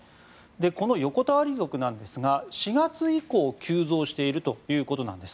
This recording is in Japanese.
この横たわり族なんですが４月以降急増しているということなんです。